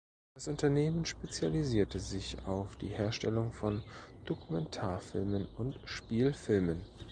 Das Unternehmen spezialisierte sich auf die Herstellung von Dokumentarfilmen und Spielfilmen.